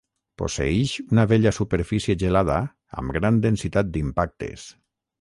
Posseïx una vella superfície gelada amb gran densitat d'impactes.